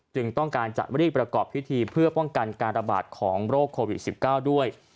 ต้องการจะรีบประกอบพิธีเพื่อป้องกันการระบาดของโรคโควิด๑๙ด้วย